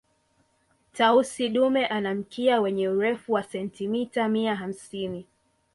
tausi dume ana mkia wenye urefu wa sentimita mia hamsini